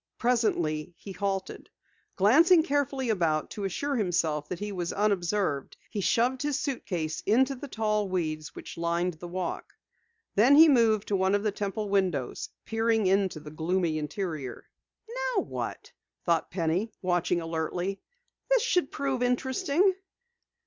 Presently he halted. Glancing carefully about to assure himself that he was unobserved, he shoved his suitcase into the tall weeds which lined the walk. Then he moved to one of the Temple windows, peering into the gloomy interior. "Now what?" thought Penny, watching alertly. "This should prove interesting."